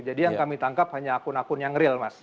jadi yang kami tangkap hanya akun akun yang real mas